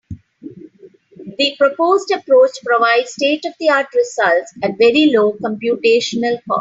The proposed approach provides state-of-the-art results at very low computational cost.